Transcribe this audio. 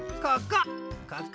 ここ！